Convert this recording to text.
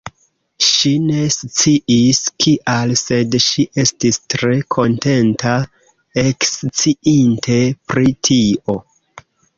Ŝi ne sciis kial, sed ŝi estis tre kontenta, eksciinte pri tio.